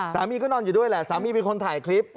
สามีก็นอนอยู่ด้วยแหละสามีเป็นคนถ่ายคลิป